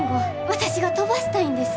私が飛ばしたいんです。